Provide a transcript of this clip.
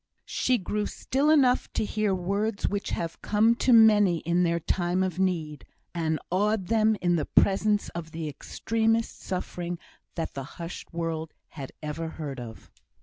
She grew still enough to hear words which have come to many in their time of need, and awed them in the presence of the extremest suffering that the hushed world has ever heard of.